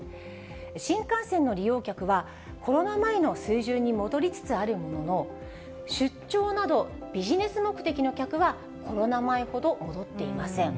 新幹線の利用客は、コロナ前の水準に戻りつつあるものの、出張などビジネス目的の客はコロナ前ほど戻っていません。